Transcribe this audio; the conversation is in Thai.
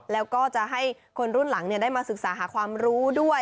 แล้วก็จะให้คนรุ่นหลังได้มาศึกษาหาความรู้ด้วย